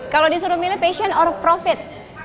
kalau disuruh milih passion ore profit